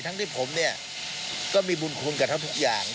ที่ผมเนี่ยก็มีบุญคุณกับเขาทุกอย่าง